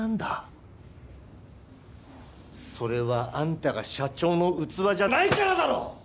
それはあんたが社長の器じゃないからだろ！